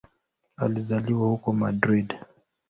Alizaliwa huko Madrid.